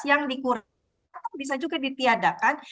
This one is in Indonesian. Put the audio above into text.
yang dikurangi atau bisa juga ditiadakan